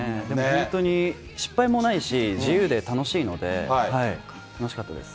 本当に失敗もないし、自由で楽しいので、楽しかったです。